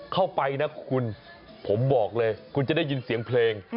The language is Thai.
เข้าไปนะคุณผมบอกเลยคุณจะได้ยินเสียงเพลง